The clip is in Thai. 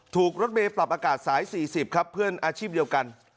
รถเมย์ปรับอากาศสาย๔๐ครับเพื่อนอาชีพเดียวกัน